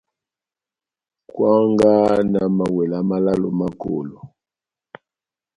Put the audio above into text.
Kwangaha na mawela málálo má kolo.